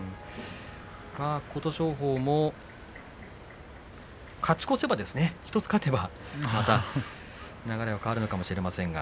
琴勝峰も１つ勝てば流れが変わるのかもしれません。